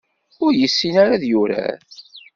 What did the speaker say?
Ur yessin ara ad yurar.